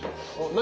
何？